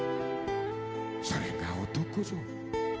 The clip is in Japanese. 「それが男ぞ」